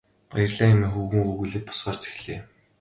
Баярлалаа хэмээн хөвгүүн өгүүлээд босохоор зэхлээ.